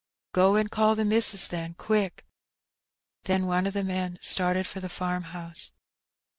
"Go and call the missus, then, quick." Then one of the men started for the farmhouse.